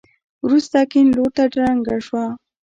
وروسته کيڼ لورته ړنګه شوه.